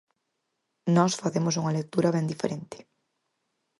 Nós facemos unha lectura ben diferente.